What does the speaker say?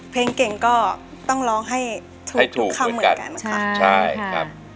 เพลงเก่งก็ต้องร้องให้ถูกคำเหมือนกันค่ะใช่ครับ